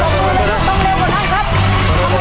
ออกมือนะลูก